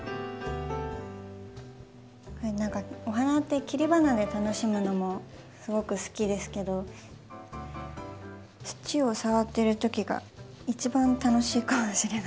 何かお花って切り花で楽しむのもすごく好きですけど土を触ってるときが一番楽しいかもしれない。